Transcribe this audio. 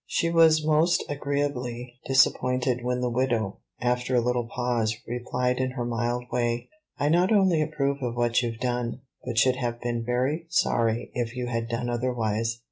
She was most agreeably disappointed when the widow, after a little pause, replied in her mild way, "I not only approve of what you've done, but should have been very sorry if you had done otherwise.